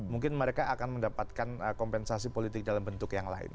mungkin mereka akan mendapatkan kompensasi politik dalam bentuk yang lain